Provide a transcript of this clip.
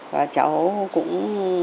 và cháu cũng